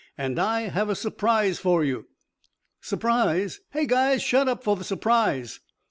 And I have a surprise for you." "Surprise! Hey, guys, shut up for the surprise!"